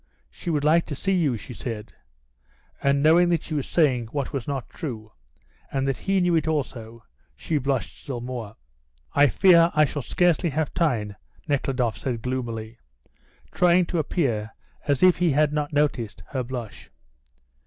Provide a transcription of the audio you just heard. She would like to see you," she said, and knowing that she was saying what was not true, and that he knew it also, she blushed still more. "I fear I shall scarcely have time," Nekhludoff said gloomily, trying to appear as if he had not noticed her blush.